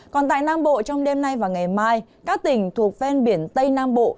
còn tại nam bộ trong đêm nay và ngày mai các tỉnh thuộc ven biển tây nam bộ